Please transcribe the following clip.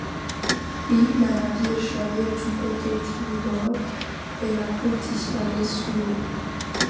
Puis le navire chavire du côté tribord et la poupe disparaît sous l'eau.